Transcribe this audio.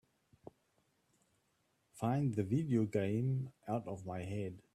Find the video game Out of My Head